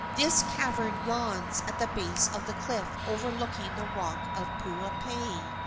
This cavern yawns at the base of the cliff overlooking the rock of Puupehe.